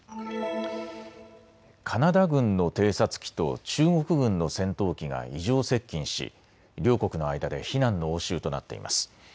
カナダ軍の偵察機と中国軍の戦闘機が異常接近し両国の間で非難の応酬となっています。